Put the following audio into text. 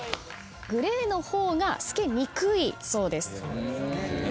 グレーの方が透けにくいそうです。